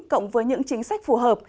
cộng với những chính sách phù hợp